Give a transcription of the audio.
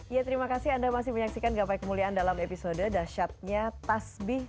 ya terima kasih anda masih menyaksikan gapai kemuliaan dalam episode dasyatnya tasbih